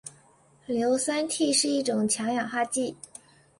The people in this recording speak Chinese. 硫酸锑是一种强氧化剂。